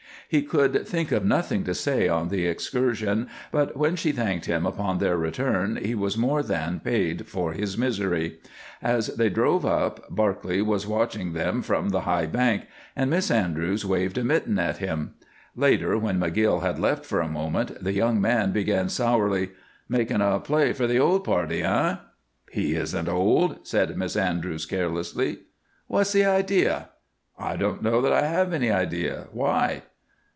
He could think of nothing to say on the excursion, but when she thanked him upon their return he was more than paid for his misery. As they drove up, Barclay was watching them from the high bank, and Miss Andrews waved a mitten at him. Later, when McGill had left for a moment, the young man began, sourly: "Making a play for the old party, eh?" "He isn't old," said Miss Andrews, carelessly. "What's the idea?" "I don't know that I have any idea. Why?"